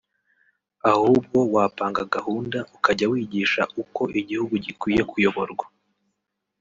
Ahubwo wapanga gahunda ukajya wigisha uko igihugu gikwiye kuyoborwa